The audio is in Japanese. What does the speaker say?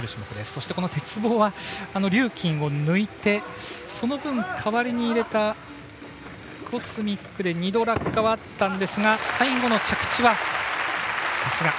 そして鉄棒はリューキンを抜いてその分、代わりに入れたコスミックで２度、落下はありましたが最後の着地はさすが。